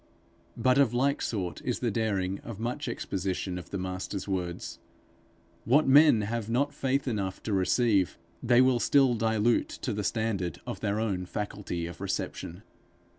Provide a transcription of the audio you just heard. But of like sort is the daring of much exposition of the Master's words. What men have not faith enough to receive, they will still dilute to the standard of their own faculty of reception.